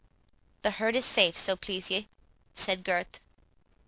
"The herd is safe, so please ye," said Gurth.